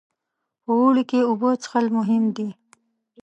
په اوړي کې اوبه څښل مهم دي.